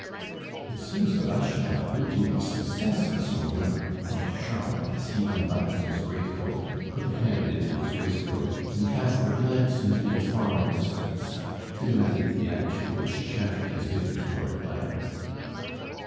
"It seems that I shall have a good deal of success in Saumur," thought Charles as he unbuttoned his great coat, put a hand into his waistcoat, and cast a glance into the far distance, to imitate the attitude which Chantrey has given to Lord Byron.